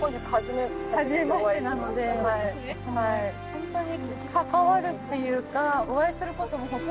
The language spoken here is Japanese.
ホントに。